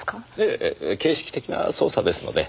ええ形式的な捜査ですので。